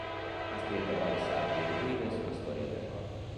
Ha scritto vari saggi e guide sulla storia del rock.